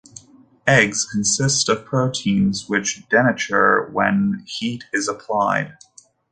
Eggs consist of proteins which denature when heat is applied.